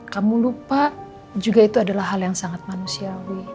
kamu lupa juga itu adalah hal yang sangat manusiawi